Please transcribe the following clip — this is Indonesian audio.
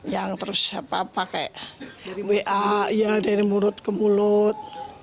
yang terus pakai wa ya dari mulut ke mulut